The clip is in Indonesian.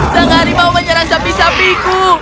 seorang harimau menyerang sapi sapiku